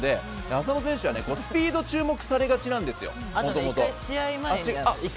浅野選手はスピードに注目されがちなんですよ。